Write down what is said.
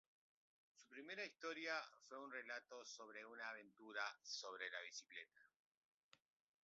Su primera historia fue un relato sobre su aventura sobre la bicicleta.